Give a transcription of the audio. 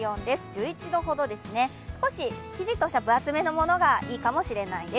１１度ほどですね、少し生地としては分厚めがいいかもしれません。